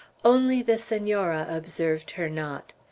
Only the Senora observed her not.